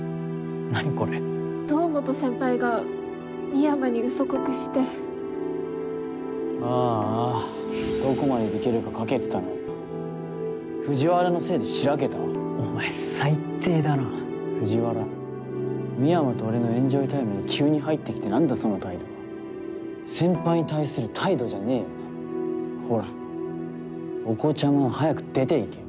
何これ堂本先輩が美山に嘘告してああどこまでできるか賭けてたのに藤原のせいで白けたわ美山と俺のエンジョイタイムに急に入ってきて何だその態度は先輩に対する態度じゃねえよなほらお子ちゃまは早く出ていけよ！